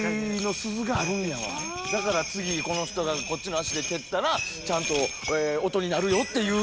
だから次この人がこっちの足で蹴ったらちゃんと音になるよっていうのんで。